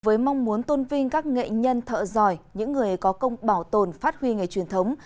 với mong muốn tôn vinh các nghệ nhân thợ giỏi những người có công bảo tồn phát huy nghề truyền thống